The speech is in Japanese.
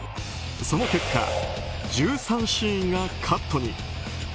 その結果、１３シーンがカットに。